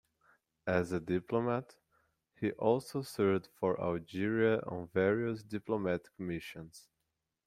As a diplomat, he also served for Algeria on various diplomatic missions.